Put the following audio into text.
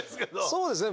そうですね